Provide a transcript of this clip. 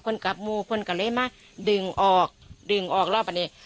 คนกับมูกคนก็เลยมาดึงออกดึงออกแล้วปะเนี่ย